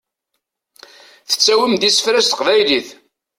Tettawim-d isefra s teqbaylit.